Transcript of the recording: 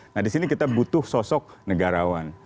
nah di sini kita butuh sosok negarawan